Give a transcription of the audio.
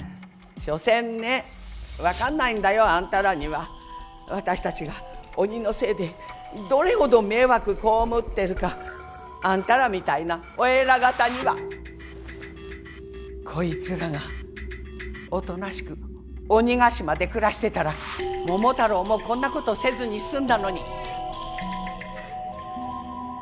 所詮ね分かんないんだよあんたらには。私たちが鬼のせいでどれほど迷惑被ってるかあんたらみたいなお偉方には。こいつらがおとなしく鬼ヶ島で暮らしてたら桃太郎もこんなことせずに済んだのに。